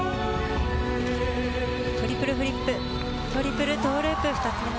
トリプルフリップトリプルトウループ。